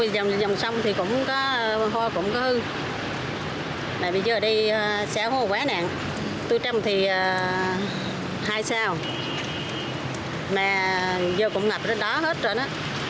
dòng sông thì hoa cũng có hư bởi vì giờ ở đây xé hồ quá nặng tư trâm thì hai sao mà giờ cũng ngập trên đó hết rồi đó